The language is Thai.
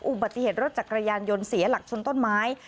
อุบัติเหตุรถจักรยานยนต์เสียหลักชนต้นไม้